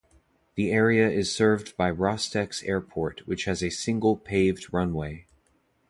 The area is served by Rostex Airport, which has a single paved runway.